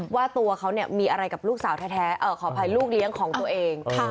ว่าตัวเขามีอะไรกับลูกสาวแท้ขออภัยลูกเลี้ยงของตัวเอง